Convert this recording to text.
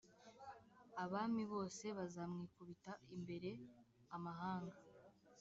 abami bose bazamwikubita imbere amahanga